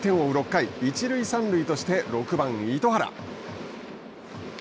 ６回一塁三塁として６番糸原。